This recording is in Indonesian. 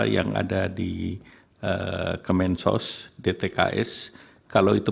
yang ada di kemensos dtks kalau itu